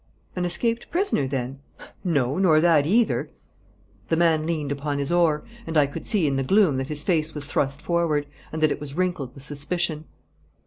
'An escaped prisoner, then?' 'No, nor that either.' The man leaned upon his oar, and I could see in the gloom that his face was thrust forward, and that it was wrinkled with suspicion.